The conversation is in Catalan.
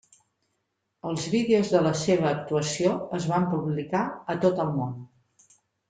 Els vídeos de la seva actuació es van publicar a tot el món.